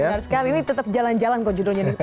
benar sekali ini tetap jalan jalan kok judulnya nih